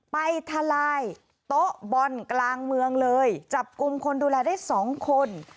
ทลายโต๊ะบอลกลางเมืองเลยจับกลุ่มคนดูแลได้สองคน